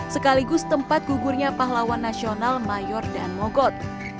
sekaligus tempat gugurnya pahlawan nasional mayor dan mogot